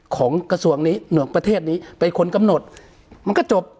ของกระทรวงนี้ประเทศนี้เป็นคนกำหนดมันก็จบ